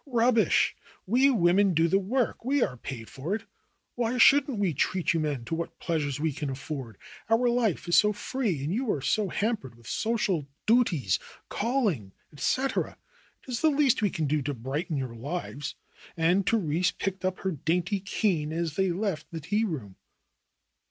^^Rubbish ! We women do the work, we are paid for it. Wliy shouldn't we treat you men to what pleasures we can afford ? Our life is so free and you are so ham pered with social duties, calling, etc. It is the least we can do to brighten your lives," and Therese picked up her dainty cane as they left the tea room.